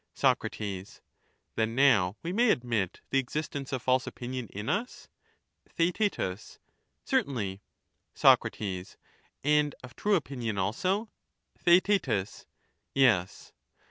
Sac, Then now we may admit the existence of false opinion in us ? Theaet Certainly. Sac, And of true opinion also ? Theaet Yes.